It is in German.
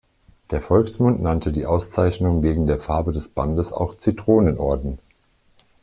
Der Volksmund nannte die Auszeichnung wegen der Farbe des Bandes auch Zitronen-Orden.